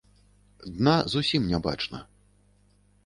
Дна зусім не бачна.